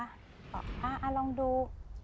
บอกอะลองดู